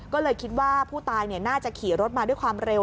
ก็เลยคิดว่าผู้ตายน่าจะขี่รถมาด้วยความเร็ว